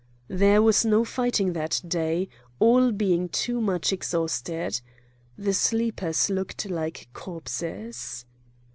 There was no fighting that day, all being too much exhausted. The sleepers looked like corpses.